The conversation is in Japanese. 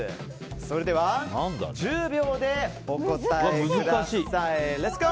それでは１０秒でお答えください。